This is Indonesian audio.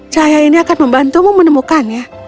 cahaya ini akan membantumu menemukannya